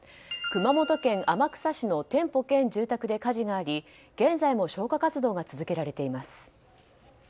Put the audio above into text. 熊本県天草市の店舗兼住宅で火事があり現在も消火活動が続けられています。